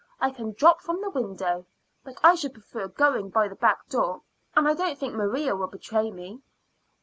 I can drop from the window, but I should prefer going by the back door; and I don't think Maria will betray me."